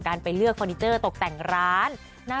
โดมเนี้ยบอกเลยว่าโอ้โห